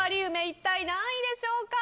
一体何位でしょうか。